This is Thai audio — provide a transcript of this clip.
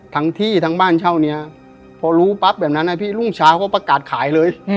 ทั้งที่ทั้งบ้านเช่านี้พอรู้ปั๊บแบบนั้นนะพี่รุ่งเช้าก็ประกาศขายเลย